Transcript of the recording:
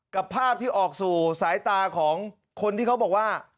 ภาพที่ออกสู่สายตาของคนที่เขาบอกว่า